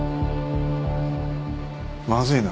まずいな。